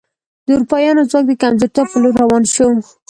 د اروپایانو ځواک د کمزورتیا په لور روان شو.